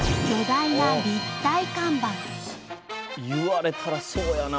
言われたらそうやな。